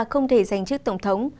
không thể giành chiến thắng